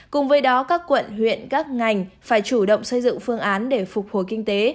cùng với đó các quận huyện các ngành phải chủ động xây dựng phương án để phục hồi kinh tế